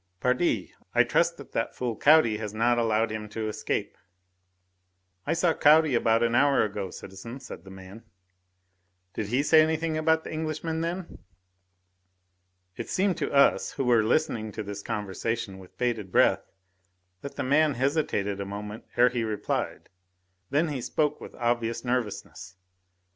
"Pardi! I trust that that fool Caudy has not allowed him to escape." "I saw Caudy about an hour ago, citizen," said the man. "Did he say anything about the Englishman then?" It seemed to us, who were listening to this conversation with bated breath, that the man hesitated a moment ere he replied; then he spoke with obvious nervousness.